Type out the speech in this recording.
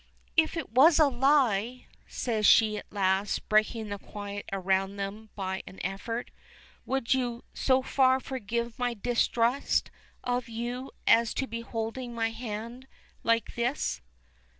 "If it was a lie," says she at last, breaking the quiet around them by an effort, "would you so far forgive my distrust of you as to be holding my hand like this?"